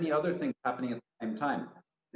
yang ketiga atau maaf yang keempat adalah